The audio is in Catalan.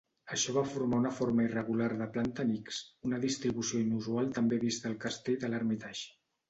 Això va formar una forma irregular de planta en X, una distribució inusual també vista al castell de l'Hermitage.